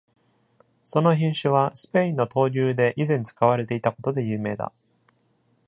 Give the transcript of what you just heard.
その品種は、スペインの闘牛で以前使われていたことで有名だ。